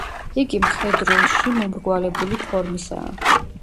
იგი მხედრულში მომრგვალებული ფორმისაა.